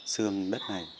xương đất này